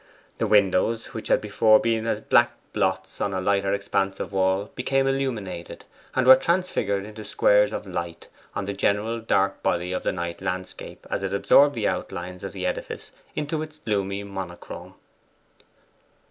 The windows, which had before been as black blots on a lighter expanse of wall, became illuminated, and were transfigured to squares of light on the general dark body of the night landscape as it absorbed the outlines of the edifice into its gloomy monochrome.